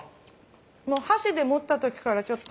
箸で持ったときからちょっと。